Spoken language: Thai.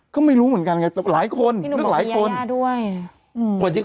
ก็ไม่รู้เหมือนกันไงหลายคนนี่นุ่มบอกว่าพี่ยาย่าด้วย